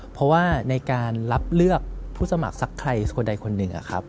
เพราะว่าในการรับเลือกผู้สมัครสักใครคนใดคนหนึ่ง